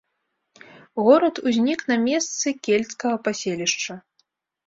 Горад узнік на месцы кельцкага паселішча.